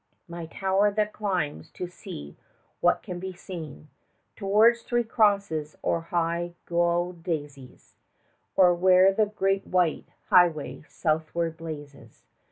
My tower that climbs to see what can be seen Towards Three Crosses or the high Giaù daisies, Or where the great white highway southward blazes!